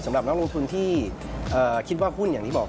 สำหรับนักลงทุนที่คิดว่าหุ้นอย่างที่บอก